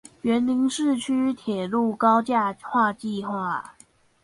員林市區鐵路高架化計畫